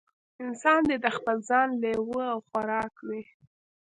انسان دې د خپل ځان لېوه او خوراک وي.